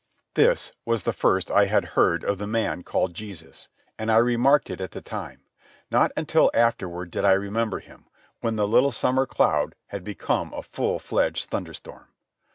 This was the first I had heard of the man called Jesus, and I little remarked it at the time. Not until afterward did I remember him, when the little summer cloud had become a full fledged thunderstorm.